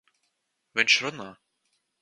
Viņš runā!